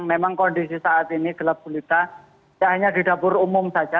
memang kondisi saat ini gelap gulita tidak hanya di dapur umum saja